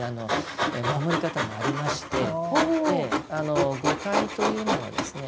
守り方もありまして五戒というのはですね